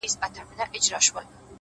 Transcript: مثبت انسان د ستونزو تر شا فرصت ویني!